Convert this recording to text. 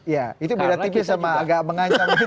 ya itu berarti sama agak mengancam gitu